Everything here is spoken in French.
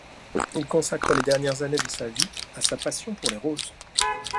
Il consacre les dernières années de sa vie à sa passion pour les roses.